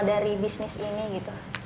dari bisnis ini gitu